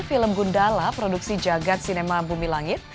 film gundala produksi jagad cinema bumi langit